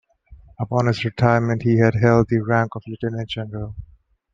Upon his retirement he held the rank of Lieutenant General.